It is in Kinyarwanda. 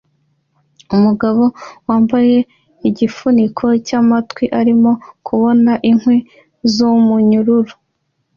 Umugabo wambaye igifuniko cyamatwi arimo kubona inkwi zumunyururu